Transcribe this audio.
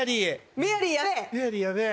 『メアリー』やべぇ？